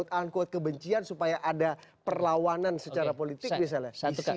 memelihara quote unquote kebencian supaya ada perlawanan secara politik bisa lah